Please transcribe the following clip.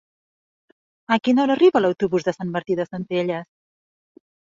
A quina hora arriba l'autobús de Sant Martí de Centelles?